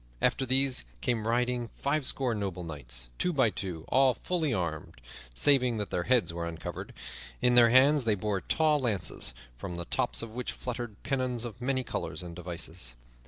After these came riding fivescore noble knights, two by two, all fully armed, saving that their heads were uncovered. In their hands they bore tall lances, from the tops of which fluttered pennons of many colors and devices.